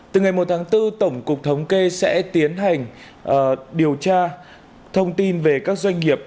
từ ngày một tháng bốn tổng cục thống kê sẽ tiến hành điều tra thông tin về các doanh nghiệp